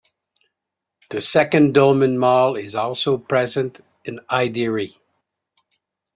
The second Dolmen Mall is also present in Hyderi.